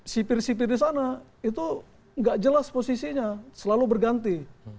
sipir sipir di sana itu nggak jelas posisinya selalu berganti